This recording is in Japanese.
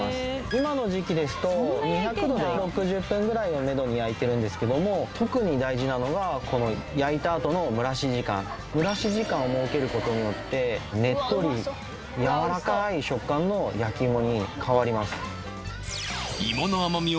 今の時期ですと２００℃で６０分ぐらいをめどに焼いてるんですけども蒸らし時間を設けることによってねっとりやわらかい食感の焼き芋に変わります